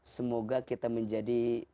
semoga kita menjadi